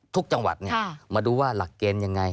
ทุกจังหวัดมาดูว่าหลักเกณฑ์ยังไง